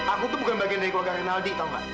aku tuh bukan bagian dari keluarga rinaldi tahu nggak